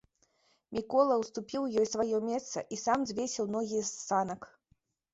Мікола ўступіў ёй сваё месца і сам звесіў ногі з санак.